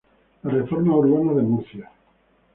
Las reformas urbanas de Murcia.